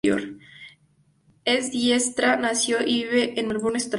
Es diestra nació y vive en Melbourne, Australia.